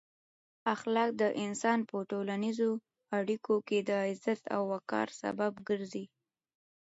اخلاق د انسان په ټولنیزو اړیکو کې د عزت او وقار سبب ګرځي.